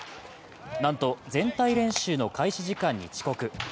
なんと全体練習の開始時間に遅刻。